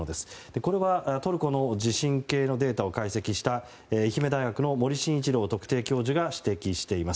これはトルコの地震計のデータを解析した愛媛大学の森伸一郎特定教授が指摘しています。